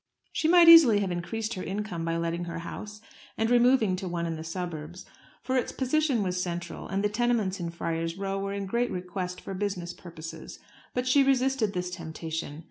She might easily have increased her income by letting her house and removing to one in the suburbs; for its position was central, and the tenements in Friar's Row were in great request for business purposes. But she resisted this temptation.